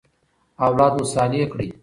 اولاد مو صالح کړئ.